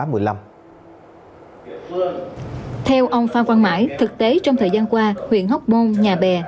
theo ông phan văn mãi thực tế trong thời gian qua huyện hóc môn nhà bè